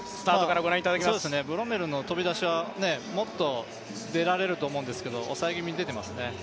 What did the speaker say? ブロメルの飛び出しはもっと出られると思うんですけど抑え気味に出てますね。